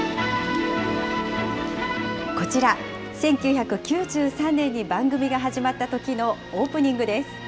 こちら、１９９３年に番組が始まったときのオープニングです。